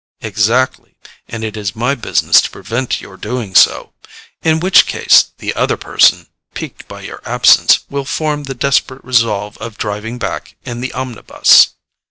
"Exactly; and it is my business to prevent your doing so; in which case the other person, piqued by your absence, will form the desperate resolve of driving back in the omnibus."